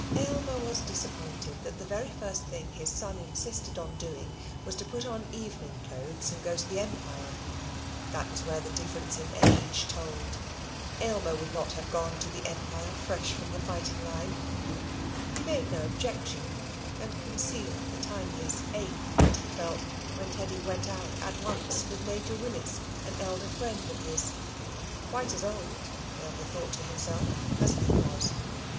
Aylmer was disappointed that the very first thing his son insisted on doing was to put on evening clothes and go to the Empire. That was where the difference in age told. Aylmer would not have gone to the Empire fresh from the fighting line. He made no objection, and concealed the tiniest ache that he felt when Teddy went out at once with Major Willis, an elder friend of his. Quite as old, Aylmer thought to himself, as he was.